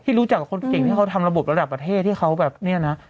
รู้จักกับคนเก่งที่เขาทำระบบระดับประเทศที่เขาแบบเนี่ยนะ